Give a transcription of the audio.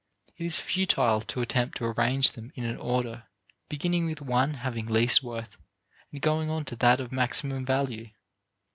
It is futile to attempt to arrange them in an order, beginning with one having least worth and going on to that of maximum value.